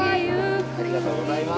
ありがとうございます。